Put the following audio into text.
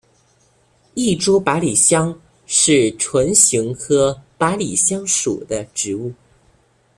异株百里香是唇形科百里香属的植物。